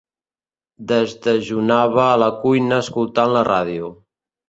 Desdejunava a la cuina escoltant la ràdio.